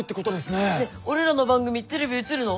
ねっ俺らの番組テレビ映るの？